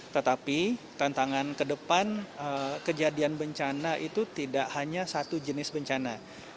tetapi tantangan ke depan kejadian bencana itu tidak hanya satu jenis bencana